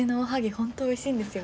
本当おいしいんですよ。